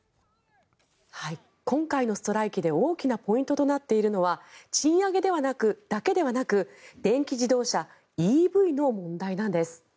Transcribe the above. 今回のストライキで大きなポイントとなっているのは賃上げだけではなく電気自動車・ＥＶの問題なんです。